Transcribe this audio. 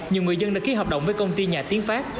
nhiều người dân đã ký hợp động với công ty nhà tiến pháp